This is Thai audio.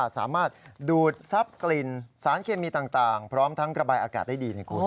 สามารถดูดทรัพย์กลิ่นสารเคมีต่างพร้อมทั้งระบายอากาศได้ดีคุณ